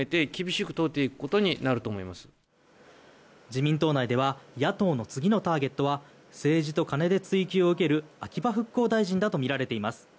自民党内では野党の次のターゲットは政治と金で追及を受ける秋葉復興大臣だとみられています。